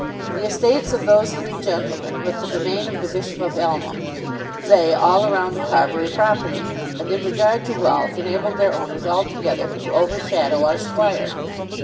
The estates of those three gentlemen, with the domain of the Bishop of Elmham, lay all around the Carbury property, and in regard to wealth enabled their owners altogether to overshadow our squire.